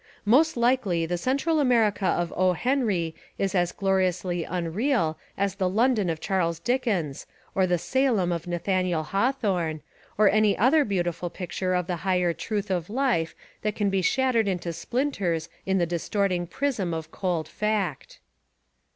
Most likely the Central America of O. Henry is as gloriously unreal as the London of Charles Dickens, or the Salem of Nathaniel Hawthorne, or any other beautiful picture of the higher truth of life that can be shattered into splinters in the distorting prism of cold fact.